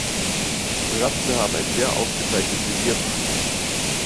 Ratten haben ein sehr ausgeprägtes Revierverhalten.